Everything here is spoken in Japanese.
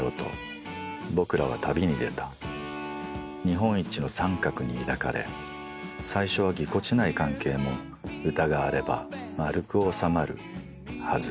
［日本一の三角に抱かれ最初はぎこちない関係も歌があれば丸く収まるはず］